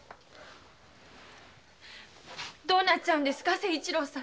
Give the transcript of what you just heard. どうなっちゃうんですか清一郎さん。